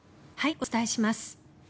お伝えします。